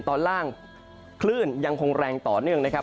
ตอนล่างคลื่นยังคงแรงต่อเนื่องนะครับ